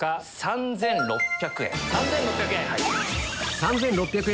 ３６００円。